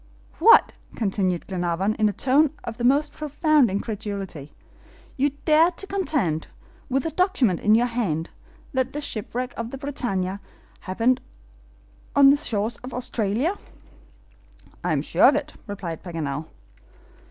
"What!" continued Glenarvan, in a tone of the most profound incredulity, "you dare to contend, with the document in your hand, that the shipwreck of the BRITANNIA happened on the shores of Australia." "I am sure of it," replied Paganel.